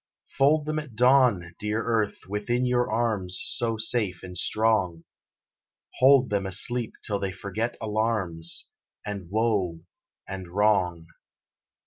Fold them at dawn, dear earth, within your arms So safe and strong: Hold them asleep till they forget alarms, And woe and wrong.